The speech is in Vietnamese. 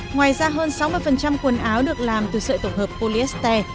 ngoài ra hơn sáu mươi quần áo được làm từ sợi tổng hợp polyester